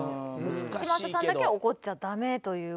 嶋佐さんだけ怒っちゃダメという事で。